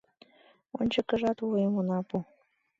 Ончыкыжат вуйым она пу!